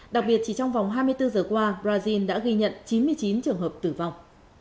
đặc biệt chỉ trong vòng hai mươi bốn giờ qua brazil đã ghi nhận chín mươi chín trường hợp tử vong